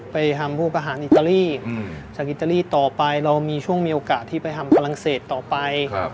ไปทำพวกอาหารอิตาลีจากอิตาลีต่อไปเรามีช่วงมีโอกาสที่ไปทำฝรั่งเศสต่อไป